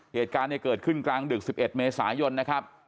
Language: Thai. เหตุการณ์เนี่ยเกิดขึ้นกลางดึก๑๑เมษายนนะครับ